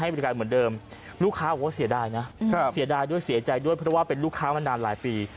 ว่าเสียดายนะเสียดายด้วยเสียใจด้วยเพราะว่าเป็นลูกค้ามานานหลายปี